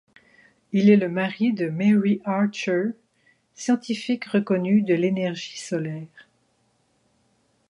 Il est le mari de Mary Archer, scientifique reconnue de l'énergie solaire.